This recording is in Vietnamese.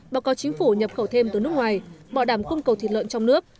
bảo có chính phủ nhập khẩu thêm từ nước ngoài bỏ đảm cung cầu thịt lợn trong nước